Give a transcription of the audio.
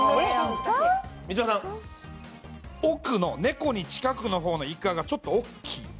奥の猫に近くの方のいかがちょっと大きい。